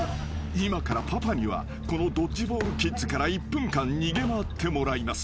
今からパパにはこのドッジボールキッズから１分間逃げ回ってもらいます］